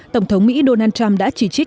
tổng thống mỹ donald trump đã chỉ trích